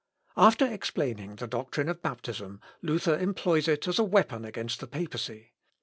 ii, p. 77.) After explaining the doctrine of baptism, Luther employs it as a weapon against the papacy.